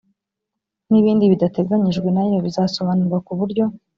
n ibindi bidateganyijwe nayo bizasobanurwa ku buryo